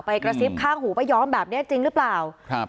กระซิบข้างหูป้าย้อมแบบเนี้ยจริงหรือเปล่าครับ